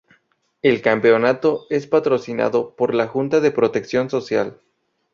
El campeonato es patrocinado por la Junta de Protección Social.